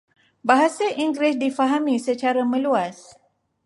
Bahasa Inggeris difahami secara meluas.